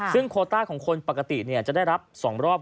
ซึ่งโคต้าของคนปกติจะได้รับ๒รอบ